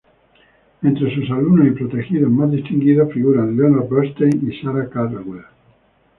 Entre sus alumnos y protegidos más distinguidos figuran Leonard Bernstein y Sarah Caldwell.